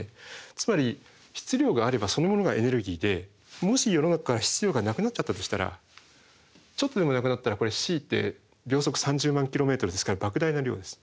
つまり質量があればそのものがエネルギーでもし世の中から質量がなくなっちゃったとしたらちょっとでもなくなったらｃって秒速３０万ｋｍですからばく大な量です。